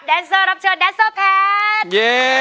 เซอร์รับเชิญแดนเซอร์แพทย์